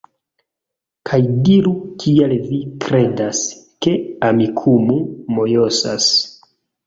Kaj diru kial vi kredas, ke Amikumu mojosas